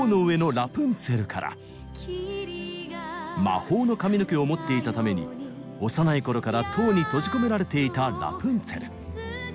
魔法の髪の毛を持っていたために幼い頃から塔に閉じ込められていたラプンツェル。